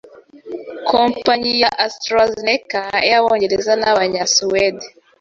Kompanyi AstraZeneca y'Abongereza n'Abanya- Suède